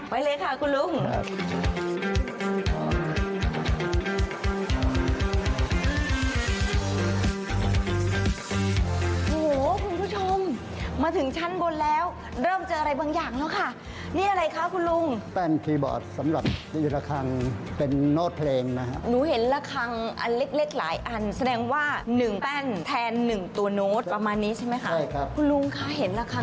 ไปเลยค่ะคุณลุงค่ะ